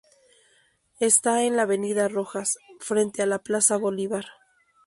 Está en la avenida Rojas, frente a la plaza Bolívar.